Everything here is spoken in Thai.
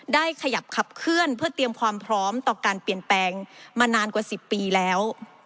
ได้ขยับขับเคลื่อนเพื่อเตรียมความพร้อมต่อการเปลี่ยนแปลงมานานกว่า๑๐ปีแล้ว